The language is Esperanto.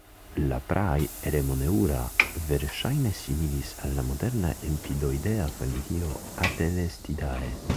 La praaj "Eremoneura" verŝajne similis al la moderna empidoidea familio "Atelestidae".